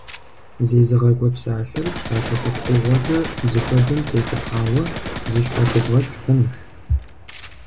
Зезыгъакӏуэ псалъэр псалъэ лъэпкъыгъуэкӏэ зыхуэдэм тещӏыхьауэ зыщхьэщыбгъэкӏ хъунущ.